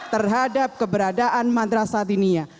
terhadap keberadaan madrasa dinia